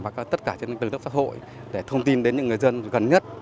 và tất cả những tư tức xã hội để thông tin đến những người dân gần nhất